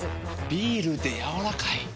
ビールでやわらかい。